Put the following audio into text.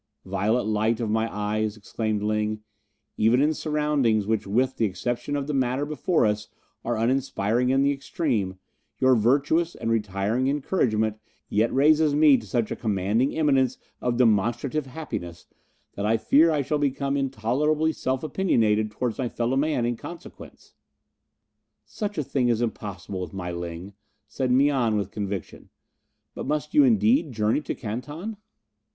"Violet light of my eyes," exclaimed Ling, "even in surroundings which with the exception of the matter before us are uninspiring in the extreme, your virtuous and retiring encouragement yet raises me to such a commanding eminence of demonstrative happiness that I fear I shall become intolerably self opinionated towards my fellow men in consequence." "Such a thing is impossible with my Ling," said Mian, with conviction. "But must you indeed journey to Canton?"